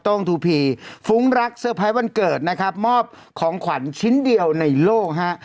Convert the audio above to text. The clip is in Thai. ้งทูพีฟุ้งรักเซอร์ไพรส์วันเกิดนะครับมอบของขวัญชิ้นเดียวในโลกฮะ